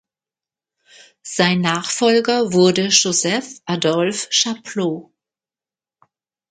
Sein Nachfolger wurde Joseph-Adolphe Chapleau.